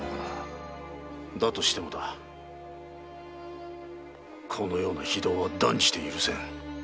だとしてもだこのような非道は断じて許せん。